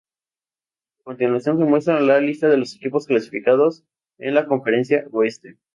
A continuación se muestran la lista de los equipos clasificados en la conferencia Oeste.